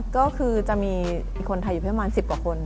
ก็คือจะมีคนไทยอยู่ประมาณ๑๐กว่าคน